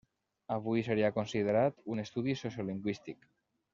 Avui seria considerat un estudi sociolingüístic.